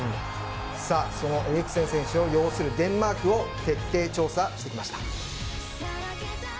そのエリクセン選手を擁するデンマークを徹底調査してきました。